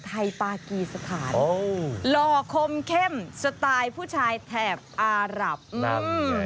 ไทยปากีสถานโอ้หล่อคมเข้มสไตล์ผู้ชายแถบอารับอื้อหือ